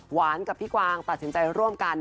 กับพี่กวางตัดสินใจร่วมกัน